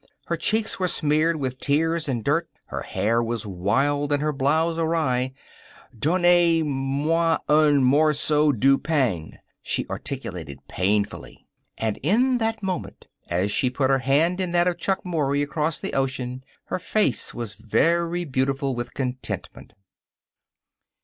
Her cheeks were smeared with tears and dirt. Her hair was wild and her blouse awry. "DONNAY MA UN MORSO DOO PANG," she articulated painfully. And in that moment, as she put her hand in that of Chuck Mory, across the ocean, her face was very beautiful with contentment.